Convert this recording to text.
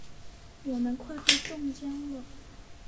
我们快被冻僵了！